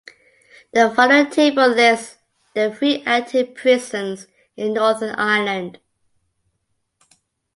The following table lists the three active prisons in Northern Ireland.